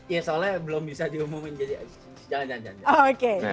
iya soalnya belum bisa diumumin jadi jangan jangan jangan